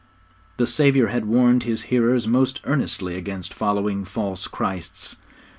The Saviour had warned His hearers most earnestly against following false Christs.